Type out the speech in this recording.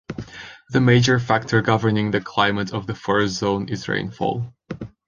The major factor governing the climate of the forest zone is rainfall.